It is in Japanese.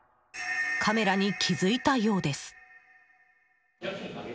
カメラに気づいたようです。